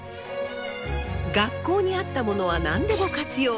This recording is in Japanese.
学校にあったものは何でも活用。